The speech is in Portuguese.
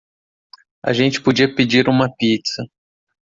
A gente podia pedir uma pizza.